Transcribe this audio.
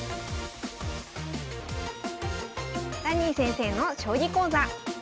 ダニー先生の将棋講座。